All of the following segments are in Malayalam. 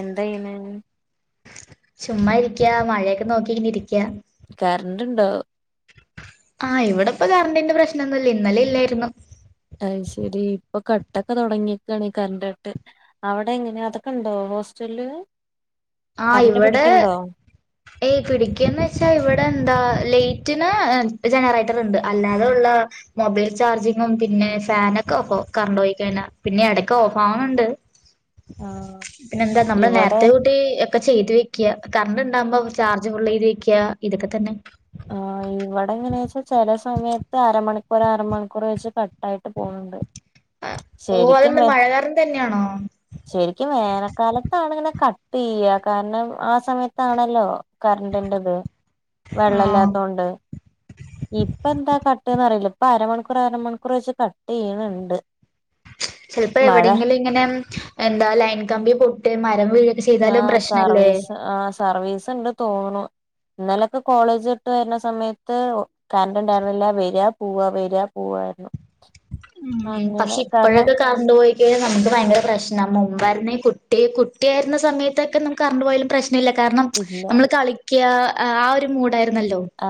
എന്തയ്യേണ്? ചുമ്മാ ഇരിക്യ. മഴയൊക്കെ നോക്കി കറന്റ്‌ ഉണ്ടോ? ആഹ്, ഇവിടെ ഇപ്പ കറണ്ടിന്റെ പ്രശ്നൊന്നില്ല. ഇന്നലെ ഇല്ലായിരുന്നു. ശരി ഇപ്പൊ കട്ടൊക്കെ തുടങ്ങിയക്കാണ്. Current cut. അവിടെ എങ്ങനെയാ അതൊക്കെ ഉണ്ടോ? [inaudible] ആ, ഇവിടെ ഏയ് പിടിക്കന്ന് വെച്ചാ ഇവിടെ എന്താ? ലൈറ്റിന് ജനറേറ്ററിൻഡ്. അല്ലാതെ ഉള്ള മൊബൈൽ ചാർജിങ്ങും പിന്നെ ഫാൻ. ഓഫോ കറണ്ട് പോയി കഴിഞ്ഞ. പിന്നെ ഇടക്ക് ഓഫ് ആവണണ്ട്. ആഹ് പിന്നെന്താ? നമ്മൾ ഇവടെ നേരത്തെ കൂട്ടി, ഒക്കെ ചെയ്ത് വെക്കുക. കറണ്ട്ഉണ്ടാകുമ്പോ ചാർജ് ഫുൾ ചെയ്ത് വെക്ക ഇതൊക്കെ തന്നെ. ഇവിടെ എങ്ങനെ വെച്ചാ ചെല സമയത്ത് അരമണിക്കൂർ അരമണിക്കൂർ വെച്ച് കട്ട ആയിട്ട് പോണുണ്ട്. ഓ.. അതെന്താ മഴ കാരണം തന്നെയാണോ? ശരിക്കും വേനൽക്കാലത്താണിങ്ങനെ. ക, തിയ്യ കാരണം ആ സമയത്താണല്ലോ കരണ്ടിന്റെത്. ആഹ് വെള്ളല്ലാത്തൊണ്ട് ഇപ്പ എന്താ? കട്ടന്ന്റിയില്ല ഇപ്പൊ അരമണിക്കൂർ അരമണിക്കൂർ വെച്ച് കട്ടേയ്യനുണ്ട്‌. ചെൽപ്പം എവിടെയെങ്കിലും ഇങ്ങനെ എന്താ ലൈൻകമ്പി പൊട്ട്യേ മരം. വീഴൊക്കെ ആ, ചെയ്താലും പ്രശ്നല്ലേ സർവീസ് ആ, സർവീസ് ഇണ്ട് തോന്നുണു. ഇന്നലൊക്കെ കോളേജ് വിട്ട് വരുന്ന സമയത്ത് കറന്റ്‌ ഉണ്ടായിരിന്നില്ല. വെരാ പോവാ വെരാ പോവ. [unintelligible] ഉം.. പക്ഷ ഇപ്പോഴക്കാ കറന്റ്‌ പോയി -. നമുക്ക് ഭയങ്കര പ്രശ്നാ. മുമ്പായിരുന്നെ ഈ കുട്ടി കുട്ടിയ ആരുന്ന സമയത്തൊക്കെ നമുക്ക് കരണ്ട് പോയ കാരണം. ഇല്ല നമ്മള് കളിക്ക്യാ ആ ഒരു മൂടാ.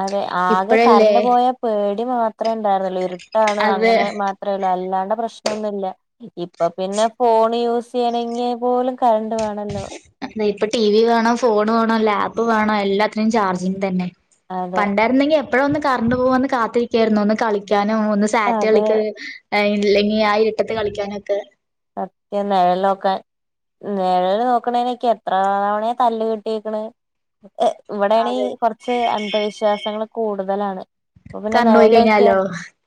അതെ, ആകെ കറണ്ട് പോയ. ഇ മാത്രമേ ഉണ്ടായിരുന്നുള്ളൂ. ഇരുട്ടാണ് അത് അങ്ങനെ മാത്രേ ഉള്ളു അല്ലാണ്ട് പ്രശ്നൊന്നുല. ഇപ്പൊ പിന്നെ ഫോൺ യൂസ് ചെയ്യണങ്കിൽ പോലും കറണ്ട് വേണല്ലോ? അതിപ്പൊ ടി വി വേണോ ഫോൺ വേണോ ലാപ്പ് വേണോ എല്ലാത്തിനും ചാർജിങ് തന്നെ. അതെ പണ്ടായിരുന്നെങ്കി എപ്പോഴാ ഒന്ന് കറണ്ട് പോവാന്ന് കാത്തിരിക്കായിരുന്നു ഒന്ന് കളിക്യാൻ. ആ, ഒന്ന് സാറ്റ് അതെ കളിക് ഇല്ലെങ്കി ആ ഇര്ട്ടെത്ത് കളിക്കാനൊക്കെ. [unintelligible] നേഴലു നോക്കണേനൊക്കേ എത്ര തവണയാ തല്ല് കിട്ടിക്കണ്. ഇവിടെണെ അതെ കുറച്ച് അന്ധവിശ്വാസങ്ങൾ കൂടുതലാണ്. അപ്പൊ പിന്നെ കറണ്ടുപോയി നിഴൽ നോക്കിയാ കഴിഞ്ഞാലോ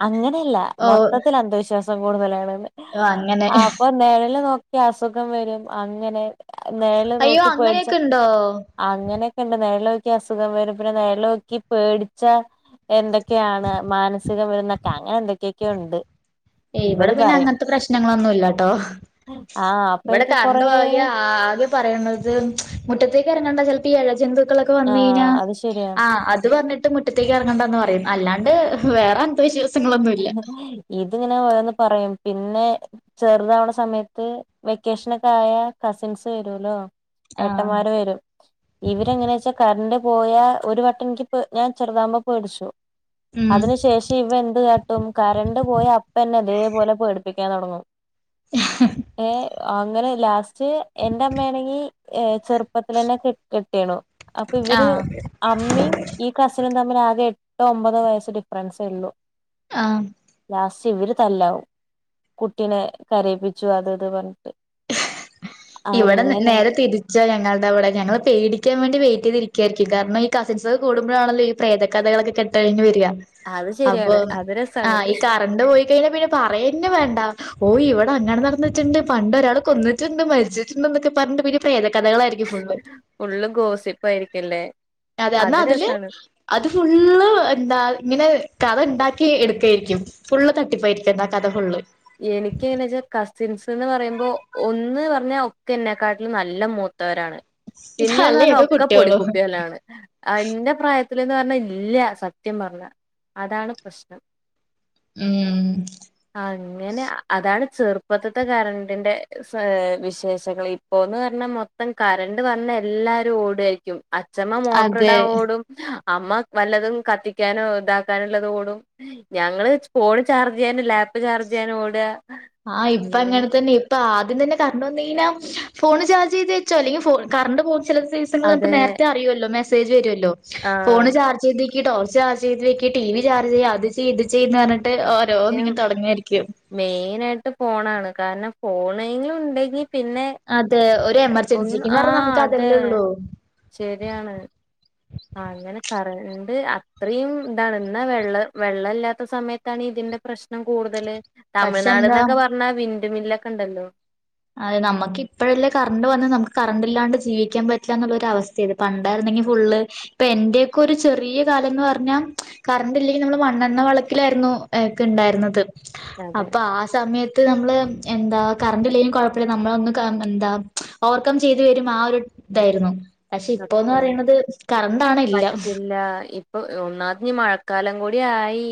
അങ്ങനെയല്ല മൊത്തത്തിൽ അന്ധവിശ്വാസം കൂടുതലാണ് ഓ അങ്ങ ആ അപ്പൊ നീഴൽ നോക്കിയാ അസുഖം വരും അങ്ങനെ നെഴൽ അയ്യോ നോക്കി പോടിച്ചാ അങ്ങനെയൊക്കെ ഉണ്ടോ അങ്ങനെയൊക്കെ ഉണ്ട് നെഴൽ... നോക്കി അസുഖം വരും പിന്നെ നെഴലോ ക്കി പേടിച്ചാ എന്തൊക്കെയാണ് മാനസിക.. അസുഖംരുന്നക്കെ അങ്ങനെ എന്തൊക്കെയൊക്കെയെ ഉണ്ട്.. ഇവിടെ ഇവര് പിന്നെ പറയും അങ്ങനത്തെ പ്രശ്നങ്ങളൊന്നുംല്ലട്ടോ.. ആഹ് അപ്പൊ ഇവിടെ എനിക്ക് കറണ്ട് കൊറേ പോയാ ആകെ പറയണത് മുറ്റത്തേക്ക് ഇറങ്ങണ്ട ചിലപ്പ ഈ ഇഴജെതു ക്കളൊക്കെ വന്ന് കഴിഞ്ഞ ആഹ് അത് ശരിയാ ആ അത്പറഞീട്ട് മുറ്റത്തേക്ക് ഇറങ്ങണ്ടന്ന് പറയും അല്ലാണ്ട് വേറെ അന്താവിശ്വാസ [inaudible] ഇതിങ്ങനെ ഓരോന്ന് പറയും പിന്നെ ചെറുതാവണ സമയത്ത് വെക്കേഷൻ ഒക്കെ ആയാ കസിൻസ് വരുല്ലോ ആഹ് ഏട്ടന്മാര് വരും ഇവരെങ്ങനെയ വെച്ചാ കറണ്ട് പോയാ ഒരു വട്ടം എനിക്ക്പ്പം ഞാൻ ചെറുതാവുംപോ പേടിച്ചു ഉം അതിന് ശേഷം ഇവൻ എന്ത് കാട്ടി കരണ്ട് പോയ അപ്പന്നെ ഇതേപോലെ പെടിപ്പിക്കാൻ തുടങ്ങും ഏ അങ്ങനെ ലാസ്റ്റ് എന്റെ അമ്മയാണെങ്കി ഏ ചെറുപ്പത്തിലെന്നെ കെട്ടിയെണു അപ്പൊ ഇവര് ആഹ് അമ്മയും ഈ കസിനും തമ്മി ഇവര് ആകെ എട്ടോ ഒമ്പതോ വയസ് ഡിഫറൻസെ ഉള്ളു ആഹ് ലാസ്റ്റ് ഇവര് തല്ലാവും കുട്ടിനെ കരയിപ്പിച്ചു അത് ഇത് പറഞ്ഞു ഇവിടെ നേരെ തിരിച്ചാ ഞങ്ങളുടെ അവിടെ ഞങ്ങള് പേടിക്കാൻ വേണ്ടി വെയിറ്റ് യ്തിരിക്കായിരിക്കും കാരണം ഈ കസിൻസ് കൂടുമ്പോഴാണല്ലോ ഇ പ്രേത കഥകളെക്കക്കെട്ട് കഴിഞ് വരിക. അത് അപ്പൊ ശരിയാണ് അത് രസാണ് ആഹ ഈ കറണ്ട് പോയി കഴിഞ്ഞാൽ പിന്നെ പറയന്നെ വേണ്ട.. ഓ ഇവിടെ അങ്ങനെ നടന്നിട്ടുണ്ട് പണ്ട് ഒരാൾ കൊന്നിട്ടുണ്ട് മരിച്ചിട്ടുണ്ട് എന്നൊക്കെ പറഞ്ഞ് പിന്നെ പ്രേത ഫുള്ള് ഗോസിപ്പാ ആയിരിക്കല്ലേ. അതെ എന്നാ അത് അതില് രസാണ് അത് ഫുള്ള് എന്താ ഇങ്ങനെ കഥ ഉണ്ടാക്കി എടുക്കായിരിക്കും ഫുള്ള് തട്ടിപ്പായിരിക്കും ആ കഥ ഫുള്ള്. എനിക്ക് എങ്ങനാ വെച്ചാ കസിൻസ്ന്ന് പറയുമ്പോ ഒന്ന് പറഞ്ഞാ ഒക്കെ എന്നെക്കാട്ടിലും നല്ല മൂ ത്തവരാണ് പിന്നെന്ന് അല്ലേ പറഞ്ഞാ ഒക്കെ കുട്ടിയോളും പൊടിക്കുപ്പില്ലാണ് ഇന്റെ പ്രായത്തി ത്തിലന്ന് പറഞ്ഞ ഇല്യ സത്യം പറഞ്ഞ അതാണ് പ്രശ്നം. ഉം ങ്ങെനെ അത അതാണ് ചെറുപ്പത്ത്ത്തെ കരണ്ടിന്റെ സ വിശേഷങ്ങൾ ഇപ്പോന്ന് പറഞ്ഞാ മൊത്തം കരണ്ട് വ വന്നാ എല്ലാരും ഓടായിരിക്കും അഛമ്മ മോട്ടോർ ഇടാ അതെ ഓടും ഹ അമ്മ വല്ലതും കത്തിക്കാനോ ഇതാക്കാനുള്ളത് ഓടും ഞങ്ങള് ഫോൺ ചാർജ് ചെയ്യാന ലാപ്പ് ചാർജ് ചെയ്യാനോടാ ആഹ് ഇപ്പ അങ്ങനെ തന്നെ ഇപ്പ ആ ദ്യം തന്നെ കറണ്ട് വന്നു കഴിഞ്ഞാ ഫോണ് ചാർജ് ചെയ്ത് വെച്ചോ അല്ലെങ്കി ഫോ ക്കറണ്ട് പോ ചില ദിസങ്ങൾ നമുക്ക് അതെ നേരത്തെ അറിയുല്ലോ മെസേജ് വരുമല്ലോ ഫോൺ ആഹ് ചാർജ് ചെയ് ഈ ടോർച്ച് ചർജ്ചൈത് വെക്ക് ടി വി ചർജ് ചെയ്യ് അത് ചെയ്യ് ഇത് ചെയ്യ് ചെയ്ന്ന് പറഞ്ഞിട്ട് ഓരോന്ന് ഇങ്ങനെ തുടങ്ങായിരിക്കും. മെയിനായിട്ട് ഫോണാണ് കാരണം ഫോണങ്കിലും ഉണ്ടെങ്കി പിന്നെ അതെ ഒരു ഒന്ന് എമർജൻസിക്ക്ന്ന് ആ പറഞ്ഞാ നമുക്ക് അതെ അതല്ലേ ഉള്ളൂ ശരിയാണ്. ആ അങ്ങനെ കറണ്ട് അത്രയും ഇന്താണ് ഇന്നാ വെള്ള വെള്ള ഇല്ലാത്ത സമയത്താണ് ഇതി പ്രശ്നം കൂടുതല് പക്ഷെ എന്താ തമിഴ്നാട്ന്നൊക്കെ പറഞ്ഞാ വിൻണ്ട് മില്ലൊക്കെ ഉണ്ടല്ലോ., അതെ നമുക്ക് ഇപ്പഴെല്ലേ കറണ്ട് വന്ന് നമുക്ക് കറണ്ട് ഇല്ലാണ്ട് ജീവിക്കൻ പറ്റില്ലന്ന്ള്ളൊ ഒരു അവസ്ഥയാണ് പണ്ടായിരുന്നെങ്കിൽ ഫുള്ള് ഇപ്പൊ എന്റെയും പ്പം ഒരു ചെറിയ കാലം എന്ന് പറഞ്ഞാൽ കറണ്ട് ഇല്ലെങ്കിൽ നമ്മൾ മണ്ണെണ്ണ വെളക്കിലായിരുന്നു ഒക്കെണ്ടായിരുന്നത് അതെ അപ്പൊ ആ സമയത്ത് നമ്മള് എന്താ കറണ്ടില്ലെ കൊഴപ്പോല്ല നമ്മളന്ന് കാ എന്താ ഓവർകം ചെയ്ത് വരും ആ ഒരു ഇതായിരുന്നു. പക്ഷെ ഇപ്പോന്ന് സത്യാണ് പറയുന്നത് കറണ്ടാണ് എല്ലാം പറ്റില്ല ഇപ്പൊ ഒന്നാത് മഴക്കാലം കൂടി ആയി.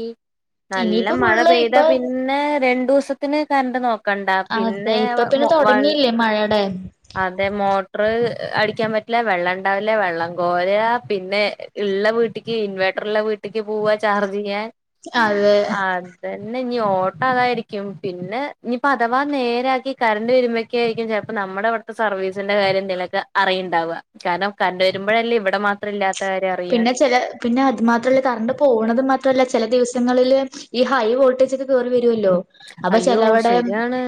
നല്ല ഇനിയിപ്പോ മഴ ഫുള്ള് പെയ്താ ഇപ്പൊ പിന്നെ രണ്ടുസത്തിന് കറണ്ട് നോക്ക്‌ കണ്ട അതെ പിന്നെ ഇപ്പൊ പിന്നെ [unintelligible] തുടങ്ങിയില്ലേ മഴയുടെ അതെ മോട്ടർ അടി ക്കാൻ പറ്റില്ല വെള്ള ണ്ടാവില്ല വെള്ളം കോരാ പിന്നെ ള്ള വീട്ടിക്ക് ഇൻവേർട്ടർള്ള വീട്ടിക്ക് പോവാ ചാർജ് ചെയ്യാൻ. അത് അതന്നെ. ഇനി ഓട്ടം അതായിരിക്കും പിന്നെ ഇനിപ്പോ അഥവാ നേരാക്കി കറണ്ട് വരുമ്പോക്കെ ആയിരിക്കും ചെലപ്പോ നമ്മ മ്മടെവിടുത്തെ സർവീസിന്റെ കാര്യംന്തിലക്കെ അറിയുണ്ടാവാ കാരണം കരണ്ട് വരുമ്പോഴല്ലേ ഇവിടെ മാത്രഇല്ലത്ത പിന്നെ ചെല പിന്നെ അത് മാത്രല്ലാ കറണ്ട് പോണത് മാത്ര മാത്രല്ല ചെല ദിവസങ്ങളിൽ ഈ ഹൈ വോൾട്ടേജോക്കെ കേറി വര് ല്ലോ അപ്പൊ അയ്യോ ചെലവടേ ശരിയാണ്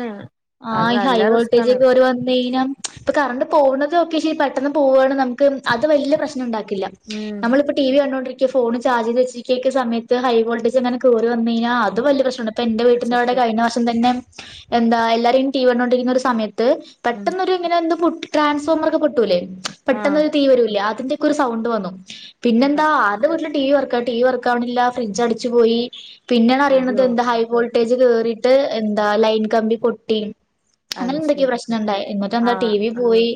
ആ അത് ഹൈ നല്ല റിസ്കാണ് വോൾട്ടേജോക്കെ കേറി വന്ന് കയിഞ്ഞ ഇപ്പൊ കറണ്ട് പോകുന്നതൊക്കെക്ഷെരി പെട്ട പോവാണ് നമക്ക് അത് വല്യ പ്രശ്നം ഇണ്ടാക്കില്ല. ഉം നമ്മളിപ്പൊ ടി വി കണ്ടോണ്ടിരിക്ക്‌ ക്ക ഫോണ് ചാർ്ജിൽ വച്ചിരിക്കൊക്ക സമയത്ത് ഹൈ വോൾട്ടേജ് എങ്ങാനും കയറി വന്നീയ്ഞ്ഞാ അത് വല്യ പ്രശ്നോണ്ടാ ഇപ്പൊ എന്റെ വീട്ടിന്റെറ അവിടെ സത്യം കഴിഞ്ഞ വർഷം തന്നെ എന്താ എല്ലാരെയും ടീവിണ്ടോണ്ടിരിക്കുന്ന ഒരു സമയത്ത് ത്ത് ഉം പെട്ടൊന്നൊരുങ്ങനെ എന്തോ പൊ ട്രാൻസ്ഫോർമറോക്കെ പൊട്ടൂല്ലേ പെട്ടെന്ന് ആഹ് ഒരു തീ വരൂല്ലെ ന്റെക്കൊരു സൗണ്ട് വന്നു അതാ പിന്നെന്താ അത് [inaudible] ടീവി വർക്ക ടീവി വർക്കാവണില്ല ഫ്രിഡ്ജ് അടിച്ചു പോയി പിന്നെയാണ് അറിയുന്നത് അയ്യോ എന്താ ഹൈ വോൾട്ട് ട്ടേജ് കേറിട്ട് എന്താ ലൈൻ കമ്പി പൊട്ടി. അങ്ങനെ അത് ശരി എന്തൊക്കെയോ പ്രശ്നം ഇണ്ടായി എന്നിട്ട എന്താ ടി വി ആഹ് പോയി.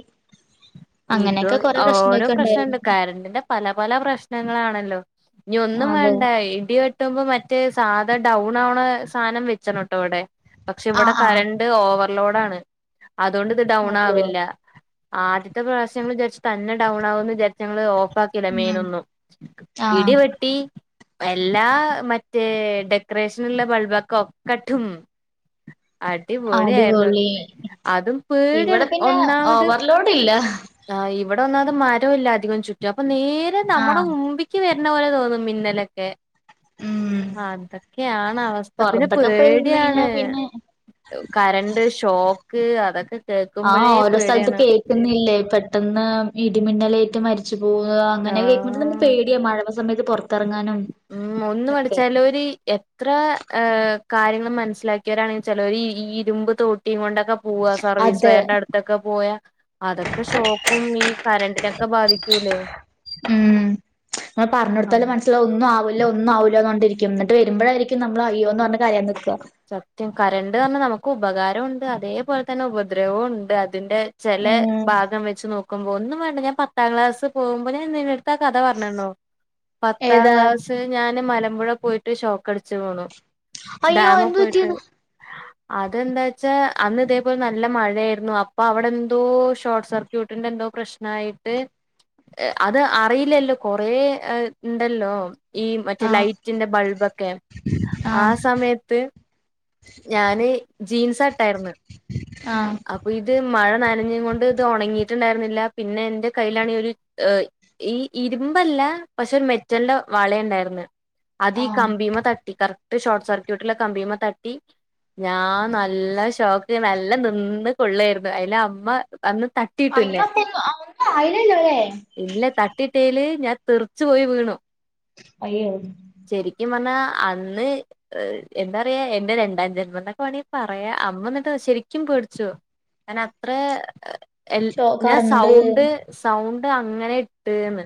ഇത് അങ്ങനെയൊക്കെ കൊറെ ഓരോ പ്രശ്നൊക്കെ ഉണ്ടായിരുന്നു പ്രശ്നണ്ട് കരണ്ടിന്റെ പല പല പ്രശ്നങ്ങളാണല്ലോ ഇനി ഒന്നും അതെ വേണ്ട ഇടിവെട്ട് ട്ടുമ്പോ മറ്റേ സാധ ഡൗൺ ആവണ സാധനം വെച്ച്ണട്ടോ ഇവടെ. പക്ഷെ ഇവിടെ ആഹ് ആഹ് കറണ്ട്റ് ഓവർലോഡ് ആണ് അതുകൊണ്ട് ഇത് ഡൗൺ അതെയോ ആവില്ല. ആദ്യത്തെ പ്രാവശ്യാം വിചാരിച്ചു തന്നെ ഡൗൺ ആകും വിചാരിച്ചു ഞങ്ങള് ഓഫ് ക്കീല്ലാ ഉം മെയ്നൊന്നും ആഹ് ഇടിവെട്ടി എല്ലാ മറ്റേ ഡെക്കറേഷനുള്ള ബൾബൊക്കെ ഒക്കെ ഡും അടിപൊളിയാരുന്നു അടിപൊളി അതും പേടിയണ് ഒന്നാമത്. ട്ടില്ല ആ ഇവിടെ ഒന്നാമത് മരോല്ല അധികം ചുറ്റും അപ്പൊ നേരെ നമ്മുടെ ആഹ് മുമ്പിക്ക് വര് ണപോലെ തോന്നും മിന്നലൊക്കെ. ഉം അതൊക്കെയാണ് അവസ്ഥ പിന്നെ പൊറത്തൊക്കെ പോയി നിന്ന് പേടിയാണ്. കഴിഞ്ഞാ പിന്നെ കരണ്ട് ഷോക്ക് അതൊക്കെ ആ കേൾക്കുമ്പോഴേ ഓരോ സ്ഥലത്ത് പേടിയാണ് കേക്കുന്നില്ലേ. പെട്ടെന്ന് ഇടിമിന്നലേറ്റ് മരിച്ചു പോവുക അങ്ങനെ കേൾക്കുമ്പോഴേ തന്നെ ആഹ് പേടിയ മഴവ സമയത്ത് പൊറത് ഉം ഒന്ന് പഠിച്ചാല് ഒര് എത്ര ഏ കാര്യങ്ങൾ മനസ്സിലാക്കിയവരാണെച്ചാൽ ഒര് ഇരുമ്പ് തോട്ടിയും കൊണ്ട് ക്കെ പോവാ സർവീസ് അതെ വയറിന്റെ അടുത്തൊക്കെ പോയാ അതൊക്കെ ഷോക്കും ഈ കറണ്ടിനൊക്കെ ബാധിക്കൂലേ. ഉം ന്ന പറഞ്ഞ കൊടുത്താലും അങ്ങനെ മനസ്സിലാവു ല്ല ഒന്നുംവില്ലാന്ന് പറഞ്ഞോണ്ടിരിക്കും ന്ന്ട്ട് വരുമ്പോഴായിരിക്കും നമ്മൾ അയ്യോന്ന് പറഞ്ഞ് കരയാൻ നിക്കാ. സത്യം കരണ്ട് പറഞ്ഞാൽ നമുക്ക് ഉപകാരം ഉണ്ട് അതേപോലെ തന്നെ ഉപദ്രവവും ഒണ്ട് അ ഇതിന്റെ ചെല ഉം ഭാഗം വെച്ച് നോക്കുമ്പോ ഒന്നും വേണ്ട ഞാൻ പത്താം ക്ലാസ് പോക്മ്പോ ഞാൻ [unintelligible] [inaudible] കഥ പറഞ്ഞന്നോ പത്താം ഏതാ ക്ലാസ് ഞാന് മന ഇവിടെ പോയിട്ട് ഷോക്ക് അടിച്ച് വീണു. അയ്യോ ഡാമി എന്ത് പോയിട്ട് പറ്റിന്ന്? അതെന്താച്ചാ അന്ന് ഇതേപോലെ നല്ല മഴയാര്ന്നു അപ്പൊ അവിടെ എന്തോ ഷോർട്ട് സർക്യൂട്ടിന്റെ എന്തോ പ്പൊ പ്രശ്നായിട്ട് അത് അറിയില്ലല്ലോ കൊറേണ്ടല്ലോ. ഈ മറ്റേ ആഹ് ലൈറ്റിന്റെ ബൾബൊക്കെ ആ ആഹ് സമയത്ത് ഞാന് ജീൻസാട്ടായിര്ന്ന് ആഹ് അപ്പൊ ഇത് മ മഴ നനഞ്ഞ് കൊണ്ട് ഇത് ഒണങ്ങീട്ട്ണ്ടാരുന്നില്ല പിന്നെ ഇൻ്റ കയ്യിലാണെ ഒരു ഈ ഇരുമ്പാ മ്പല്ലാ പക്ഷെ മെന്റൽൻ്റെ വള ഇണ്ടാര്ന്ന് അതീ ആഹ് കമ്പീമ തട്ടി കറക്റ്റ് ഷോർട്ട് സർക്യൂട്ടിലെ കമ്പീമ്മ ത റ്റി ഞാ നല്ല ഷോക്ക് നല്ല നിന്ന് കൊള്ളേര്ന്ന് അയിലെ അമ്മ വന്ന് തട്ടീട്ട് അയ്യോ ഇന്നെ അപ്പൊ ഒന്നും ഒന്നും ആയില്ലല്ലോ അല്ലേ ഇല്ല തട്ടീട്ടേല് ഞാ തെറ്ച്ച് പോയി വീണു അയ്യോ ശെരിക്കും പറഞ്ഞാ അന്ന് എന്താറിയാ ൻ ന്റെ രണ്ടാം ജന്മം ന്നൊക്കെ വേണെ പറയാ അമ്മ എന്നിട്ട് ശെരിക്കും പേടിച്ചു. കാ നത്രെ എൽ ശോ ഞാൻ കറണ്ട് സൗണ്ട് സൗണ്ട് അങ്ങനെ ഇട്ട് ന്ന്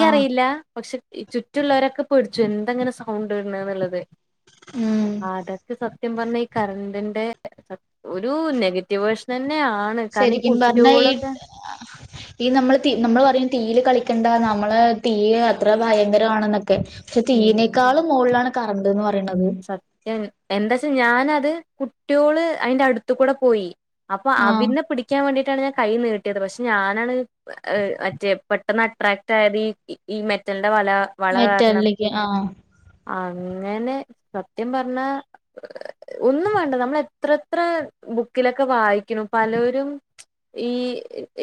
ആഹ് പക്ഷ് ഈ ചുറ്റുള്ളവരൊക്കെ പേടിച്ചു എന്തങ്ങനെ സൗണ്ട്ട്ണ് ന്ന്ള്ളത്. ഉം അതൊക്കെ സത്യം പറഞ്ഞ ഈ കര ണ്ടിന്റെ [inaudible] ഒരു നെഗറ്റീവ് വേഷനാ ശരിക്കും പറഞ്ഞാ ഈ ഈ നമ്മള് തി നമ്മള് പറയും തീയില് കളിക്കണ്ട നമ്മള് തീ അത്ര ഭയങ്കരമാണെന്നൊ ക്കെ ക്ഷെ തീയിനേക്കാളും മോളിലാണ് കറണ്ട്ന്ന് പ സത്യ ൻ എന്താച്ചാ ഞാനത് കുട്ടിഓള് അയിൻ്റെ അടുത്തു കൂടെ പോയി. അപ്പൊ ആഹ് അവിന്നെ പിടിക്ക്യാ വേണ്ടി ട്ടാണ് ഞാൻ കൈ നീട്ടിയത് പക്ഷെ ഞാനാണ് മറ്റേ പെട്ടെന്ന് അട്രാക്ട് ആയത് ഈ ഈ ഈ മെറ്റൽ ൻ്റെവല വള കാരണം മെറ്റാലിലേക്ക് ആഹ് അങ്ങനെ സത്യം പറഞ്ഞാ ഒന്നും വേണ്ട നമ്മൾ എത്ര എത്ര ബുക്കിലൊക്കെ വായിക്കു പലോരും ഈ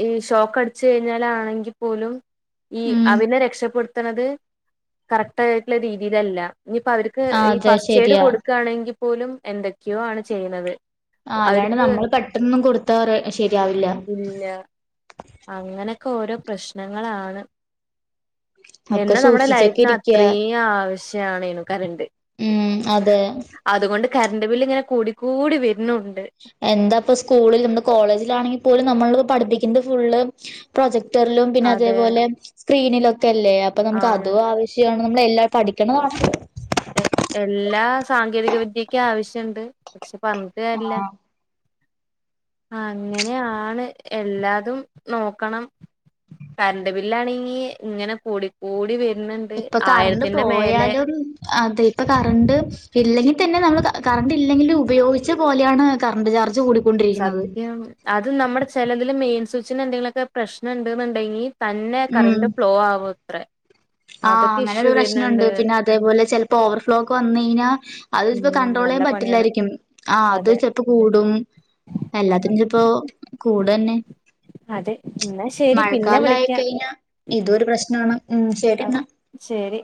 ഈ ഷോക്കടിച്ച് കയിഞ്ഞാലാണെങ്കി പോലും ഈ ഉം അവനെ രക്ഷപ്പെടുത്തണത് കറക്റ്റ് ആയിട്ടുള്ള രീതിയിലല്ല. ഇനിയിപ്പോ അവര്ക്ക് ആഹ് ഈ അതെ ഫസ്റ്റ് എയ്ഡ് ശരിയാ കൊടുക്കാണെങ്കി പോലും എന്തൊക്കെയോ ആണ് ചെയ്യ്ണത്. ആ അല്ലാണ്ട് നമ്മള് പെട്ടെന്നും കൊടുത്താറ് ശരിയാവില്ല. അങ്ങനക്കോരോ പ്രശ്നങ്ങളാണ്. എന്ന ഒക്കെ നമ്മുടെ സൂക്ഷിച്ചൊക്കെ ലൈഫ്‌ന് ഇരിക്ക അത്രീം ആവശ് ജാണേനു കരൻ്റ് ഉം അതെ അതുകൊണ്ട് കരൻ്റ് ബില്ല് ഇങ്ങനെ കൂടി കൂടി വെര് എന്താപ്പ സ്കൂളിൽന്ന് കോളേജിലാണെങ്കി പോലും നമ്മള് പഠിപ്പിക്ക്ന്നത് ഫുള്ള് പ്രൊജക് റ്റർലും പിന്നെ അതെ അതേപോലെ സ്ക്രീനിലൊക്കെ അല്ലേ അപ്പൊ നമുക്ക് ആണ് അതു ആവശ്യാ [unintelligible] നമ്മളെല്ലാം പഠിക്കണതാണ്. എ എല്ലാ സാങ്കേതിക വിദ്യക്ക്യാവിശ് റ്റണ്ട് പക്ഷെ പറഞ്ഞിട്ട് കാര്യല്ലാ. ആഹ് അങ്ങനെ ആണ് എല്ലാതും നോക്കണം. കറണ്ട് ബില്ലാണെങ്കി ഇങ്ങനെ കൂടി കൂടി വെര് ഇപ്പ കറണ്ട് പോയാലും അതെ ഇപ്പ കറണ്ട് ഇല്ലെങ്കി തന്നെ നമ്മള് ക കറണ്ട് ഇല്ലെങ്കിലും ഉപയോഗിച്ച പോലെയാണ് കറണ്ട് ചാർ സത്യം അത് നമ്മടെ ചിലതില് മെയിൻ സ്വിച്ചിന് എന്തെങ്കിലു ഒക്കെ പ്രശ്നം ഇണ്ട്ന്ന് ഇണ്ടെങ്കി തന്നെ ഉം കറന്റ് ഫ്ലോ ആവു ത്രേ ആഹ് അങ്ങനെ ഒരു പ്രശ്നൊണ്ട് പിന്നെ അതേപോലെ ചെലപ്പോ ഓവർഫ്ലോ ക്കെ വന്നി അത് ഇപ്പോ ഉം നല്ല കണ്ട്രോളെയ്യാൻ പണിയാണ് പറ്റില്ലായിരിക്കും ആ അത് അതെ ചെപ്പോ കൂടും എല്ലാത്തിനും ജ്പ്പോ കൂട് ന്നെ ഇന്നാ ശരി പിന്നെ വിളിക്ക്യാ. കെയിഞ്ഞാ ഇതു ഒരു പ്രശ്നാണ് ഉം ശെരി ന്നാ. ശരി